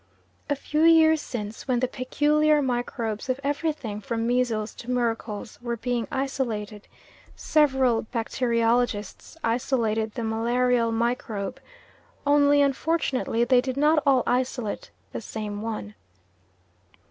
A few years since, when the peculiar microbes of everything from measles to miracles were being "isolated," several bacteriologists isolated the malarial microbe, only unfortunately they did not all isolate the same one.